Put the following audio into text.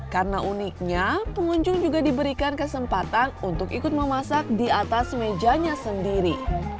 karena uniknya pengunjung juga diberikan kesempatan untuk ikut memasak di atas mejanya sendiri